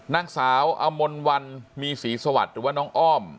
นางสาวอมลวันมีศรีสวัสดิ์หรือว่าน้องอ้อม